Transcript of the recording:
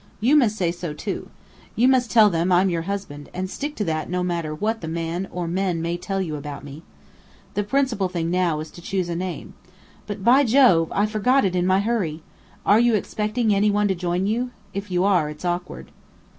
You must say so, too. You must tell them I'm your husband, and stick to that no matter what the man, or men, may tell you about me. The principal thing now is to choose a name. But by Jove I forgot it in my hurry! Are you expecting any one to join you? If you are, it's awkward."